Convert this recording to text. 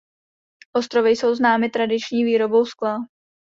Ostrovy jsou známy tradiční výrobou skla.